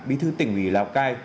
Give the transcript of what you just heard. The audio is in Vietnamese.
bí thư tỉnh ủy lào cai